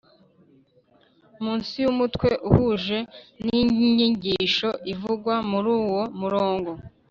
Munsi y umutwe uhuje n inyigisho ivugwa muri uwo murongo